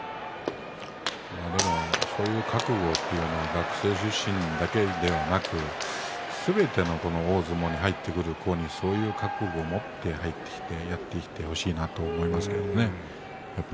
でも、そういう覚悟というのは学生出身だけでなくすべての大相撲に入ってくる人にそういう覚悟を持ってやってほしいと思いますね。